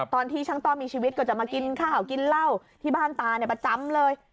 ตอนที่ช่างต้อมีชีวิตก็จะมากินข้าวกินเหล้าที่บ้านตาประจำเลย